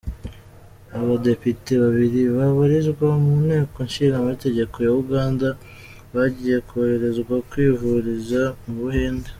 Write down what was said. Abadepite babiri babarizwa mu Nteko ishinga amategeko ya Uganda bagiye koherezwa kwivuriza mu Buhinde.